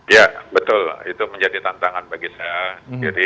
ya betul itu menjadi tantangan bagi saya sendiri